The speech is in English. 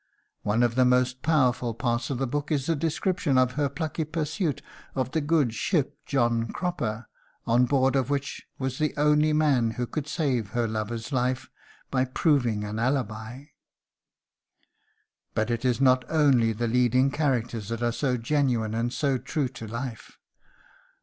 One of the most powerful parts of the book is the description of her plucky pursuit of the good ship John Cropper, on board of which was the only man who could save her lover's life by proving an alibi. But it is not only the leading characters that are so genuine and so true to life.